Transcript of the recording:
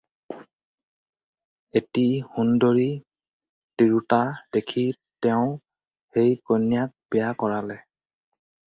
এটি সুন্দৰী তিৰোতা দেখি তেওঁ সেই কন্যাক বিয়া কৰালে।